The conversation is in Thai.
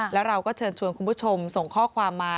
แล้วเราก็เชิญชวนคุณผู้ชมส่งข้อความมา